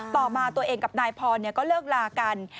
ต่อมาตัวเองกับนายพรก็เลิกลากัน